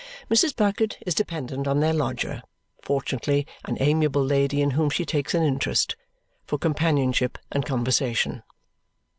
Mrs. Bucket is dependent on their lodger (fortunately an amiable lady in whom she takes an interest) for companionship and conversation.